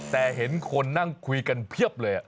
แต่เห็นคนนั่งคุยกันเพียบเลย